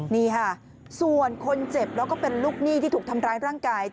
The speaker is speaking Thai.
นี่ค่ะส่วนคนเจ็บแล้วก็เป็นลูกหนี้ที่ถูกทำร้ายร่างกาย